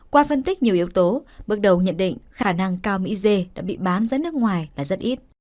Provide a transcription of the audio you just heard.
qua phân tích nhiều yếu tố bước đầu nhận định khả năng cao mỹ dê đã bị bán ra nước ngoài là rất ít